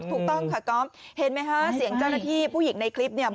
ถูกต้องค่ะก๊อฟเห็นไหมคะเสียงเจ้าหน้าที่ผู้หญิงในคลิปเนี่ย